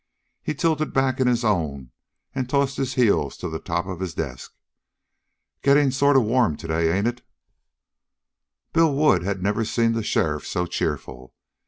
He tilted back in his own and tossed his heels to the top of his desk. "Getting sort of warm today, ain't it?" Bill Wood had never seen the sheriff so cheerful.